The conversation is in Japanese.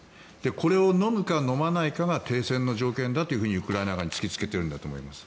これをのむかのまないかが停戦の条件だとウクライナ側に突きつけているんだと思います。